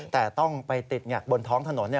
แต่ต้องไปติดบนท้องถนน